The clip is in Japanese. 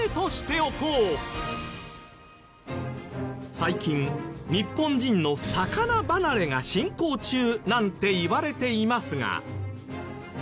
最近日本人の魚離れが進行中なんていわれていますが。